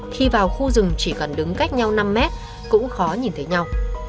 khi vào khu rừng chỉ cần đứng cách nhau năm mét cũng khó nhìn thấy nhau